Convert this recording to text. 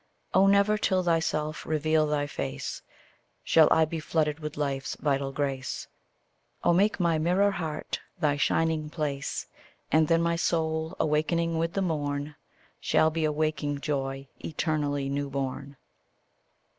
Oh! never till thyself reveal thy face, Shall I be flooded with life's vital grace. Oh make my mirror heart thy shining place, And then my soul, awaking with the morn, Shall be a waking joy, eternally new born.